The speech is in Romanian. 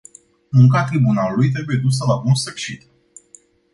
Munca tribunalului trebuie dusă la bun sfârșit.